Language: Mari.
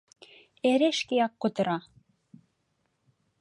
Эре шкеак кутыра.